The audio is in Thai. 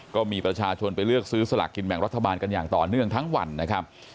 ก็มีประชาชนไปเลือกซื้อสลากกินแบ่งรัฐบาลกันอย่างต่อเนื่องทั้งวันนะครับ